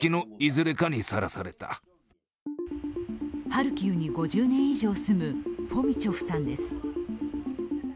ハルキウに５０年以上住む、フォミチョフさんです。